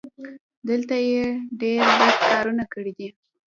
دلته یې ډېر بد کارونه کړي دي.